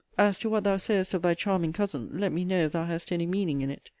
As to what thou sayest of thy charming cousin, let me know if thou hast any meaning in it.